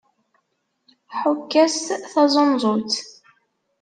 Ḥukk-as taẓunẓut!